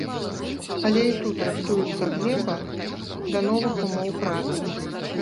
Але і тут рыхтуецца глеба да новых умоў працы.